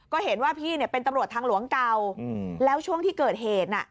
ก็เห็นว่าพี่เนี่ยเป็นตำรวจทางหลวงเก่าแล้วช่วงที่เกิดเหตุน่ะ